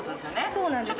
そうなんです。